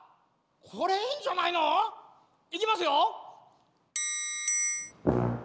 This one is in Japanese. これいいんじゃないの？いきますよ。